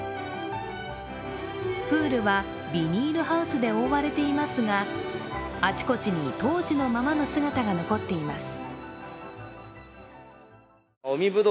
プールはビニールハウスで覆われていますが、あちこちに当時のままの姿が残っています。